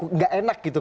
tidak enak gitu